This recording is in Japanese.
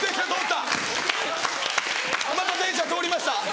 また電車通りました！